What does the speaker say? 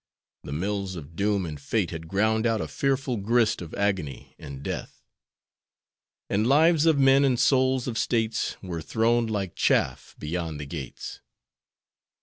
The mills of doom and fate had ground out a fearful grist of agony and death, "And lives of men and souls of States Were thrown like chaff beyond the gates."